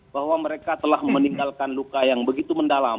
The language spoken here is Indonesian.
bahwa mereka telah meninggalkan luka yang begitu mendalam